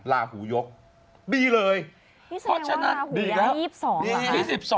ลาหูยกดีเลยที่สมมติว่าลาหูยาย๒๒ป่าว